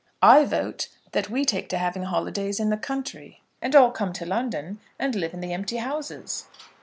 I vote that we take to having holidays in the country, and all come to London, and live in the empty houses."